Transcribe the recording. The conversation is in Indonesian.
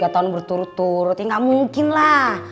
tiga tahun berturut turut ini gak mungkin lah